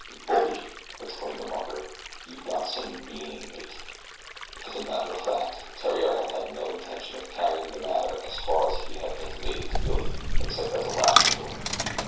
"Bully!" exclaimed the mucker. "You sure got some bean, mate." As a matter of fact Theriere had had no intention of carrying the matter as far as he had intimated to Billy except as a last resort.